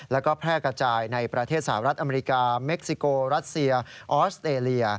แล้วก็แพร่กระจายในประเทศสหรัฐอเมริกาเม็กซิโกรัสเซียออสเตรเลีย